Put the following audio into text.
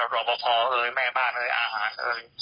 รอบพ่อพ่อเอ้ยแม่บ้านเอ้ยอาหารเอ้ย